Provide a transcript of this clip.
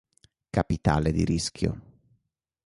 Capitale di rischio